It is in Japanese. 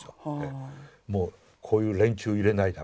もうこういう連中を入れないために。